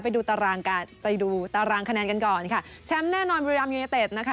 ไปดูตารางการไปดูตารางคะแนนกันก่อนค่ะแชมป์แน่นอนนะคะ